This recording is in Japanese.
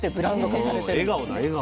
もう笑顔だ笑顔。